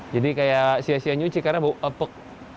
jadi kayak sia sia nyuci karena bau epek